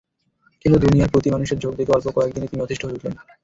কিন্তু দুনিয়ার প্রতি মানুষের ঝোক দেখে অল্প কয়েকদিনেই তিনি অতিষ্ঠ হয়ে উঠলেন।